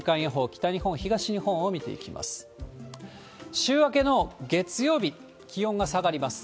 北日本、東日本を見ていきます。